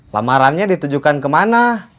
lamarannya ditujukan kemana